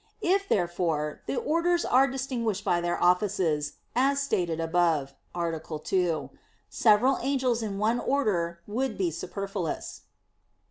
If, therefore, the orders are distinguished by their offices, as stated above (A. 2), several angels in one order would be superfluous.